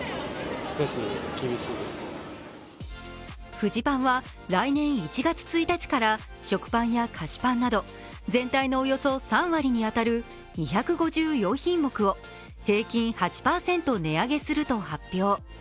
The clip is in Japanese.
フジパンは来年１月１日から食パンや菓子パンなど全体のおよそ３割に当たる２５４品目を平均８％値上げすると発表。